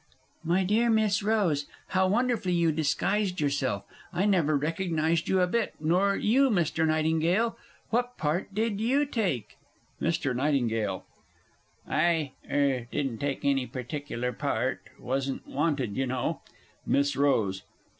My dear Miss Rose, how wonderfully you disguised yourself, I never recognized you a bit, nor you, Mr. Nightingale. What part did you take? MR. NIGHTINGALE. I er didn't take any particular part wasn't wanted, you know. MISS ROSE.